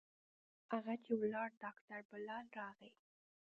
هغه چې ولاړ ډاکتر بلال راغى.